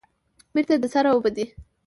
بیرته د سره اوبدي